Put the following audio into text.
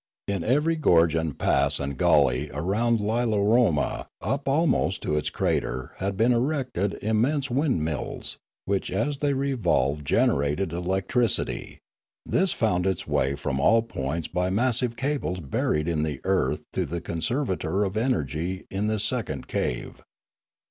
In every gorge and pass and gully around io6 Limanora Li 1 aroma up almost to its crater had been erected im mense windmills, which as they revolved generated electricity; this found its way from all points by mas sive cables buried in the earth to the conservator of energy in this second cave.